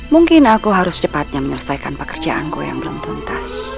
mungkin aku harus cepatnya menyelesaikan pekerjaanku yang belum tuntas